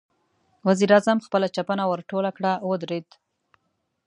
وزير اعظم خپله چپنه ورټوله کړه، ودرېد.